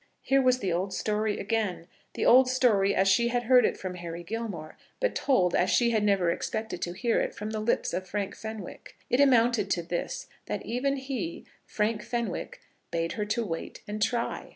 Here was the old story again, the old story as she had heard it from Harry Gilmore, but told as she had never expected to hear it from the lips of Frank Fenwick. It amounted to this; that even he, Frank Fenwick, bade her wait and try.